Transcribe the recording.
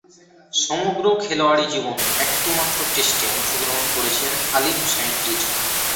সমগ্র খেলোয়াড়ী জীবনে একটিমাত্র টেস্টে অংশগ্রহণ করেছেন আলী হুসাইন রিজভী।